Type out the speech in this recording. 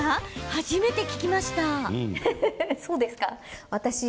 初めて聞きました。